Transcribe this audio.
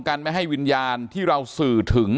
การแก้เคล็ดบางอย่างแค่นั้นเอง